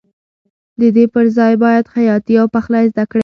د دې پر ځای باید خیاطي او پخلی زده کړې.